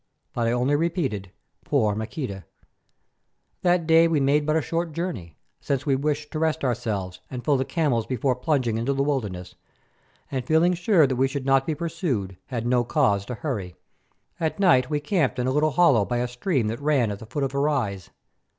But I only repeated, "Poor Maqueda!" That day we made but a short journey, since we wished to rest ourselves and fill the camels before plunging into the wilderness, and feeling sure that we should not be pursued, had no cause to hurry. At night we camped in a little hollow by a stream that ran at the foot of a rise.